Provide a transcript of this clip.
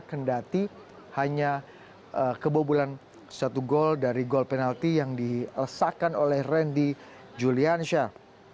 kendati hanya kebobolan satu gol dari gol penalti yang dilesakan oleh randy juliansyah